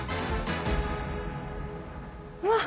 うわっ。